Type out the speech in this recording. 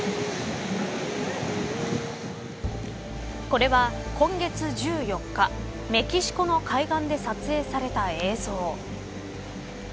これは今月１４日メキシコの海岸で撮影された映像。